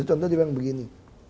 contohnya seperti ini